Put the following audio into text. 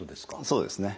そうですね。